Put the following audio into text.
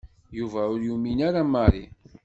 Yuba ur yumin ara Mary.